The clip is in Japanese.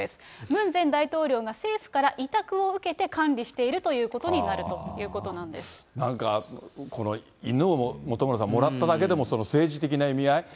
ムン前大統領が政府から委託を受けて管理しているということにななんか、この犬を本村さん、もらっただけでも、政治的な意味合い？